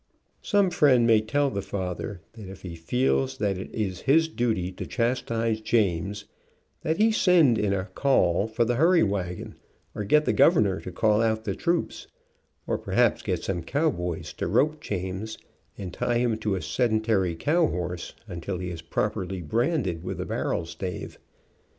Some friend may tell the father that if he feels that it is his duty to chastise James, that he send in a call for the hurry wagon, or get the governor to call out the troops, or perhaps get some cowboys to rope James, and tie him to a sedentary cow horse, until he is properly branded with the barrel stave.